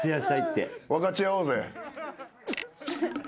分かち合おうぜ。